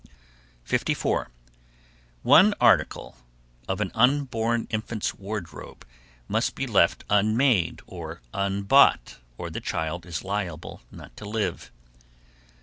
_ 54. One article of an unborn infant's wardrobe must be left unmade or unbought or the child is liable not to live.